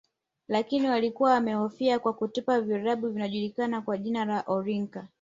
Lakini walikuwa wamehofiwa kwa kutupa vilabu vilvyojulikana kwa jina la orinka